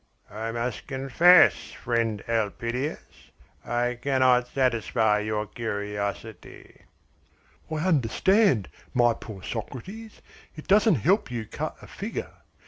"I must confess, friend Elpidias, I cannot satisfy your curiosity." "I understand, my poor Socrates, it doesn't help you cut a figure.